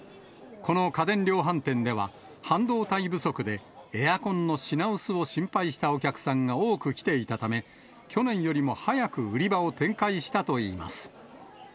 この家電量販店では、半導体不足で、エアコンの品薄を心配したお客さんが多く来ていたため、去年よりも早く売り場を展開したといいます。